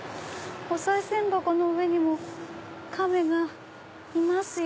おさい銭箱の上にも亀がいますよ。